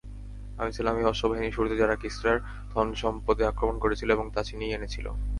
আমি ছিলাম ঐ অশ্ববাহিনীর শুরুতে যারা কিসরার ধনসম্পদে আক্রমণ করেছিল এবং তা ছিনিয়ে এনেছিল।